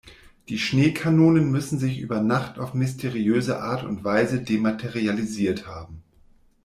Die Schneekanonen müssen sich über Nacht auf mysteriöse Art und Weise dematerialisiert haben.